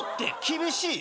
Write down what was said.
厳しい？